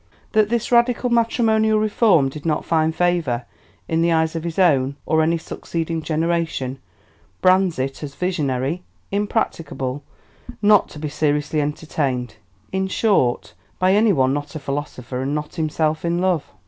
That this radical matrimonial reform did not find favour in the eyes of his own or any succeeding generation brands it as visionary, impracticable, not to be seriously entertained, in short, by any one not a philosopher and not himself in love.